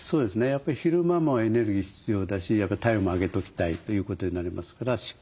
やっぱり昼間もエネルギー必要だし体温も上げときたいということになりますからしっかり食べると。